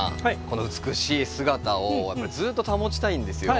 この美しい姿をずっと保ちたいんですよ。